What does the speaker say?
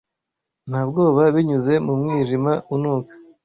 Nta bwoba binyuze mu mwijima unuka